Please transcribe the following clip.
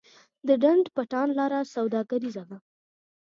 د ډنډ پټان لاره سوداګریزه ده